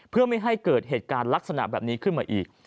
เพื่อไม่ให้เกิดเหตุการณ์ลักษณะแบบนี้ขึ้นมาอีก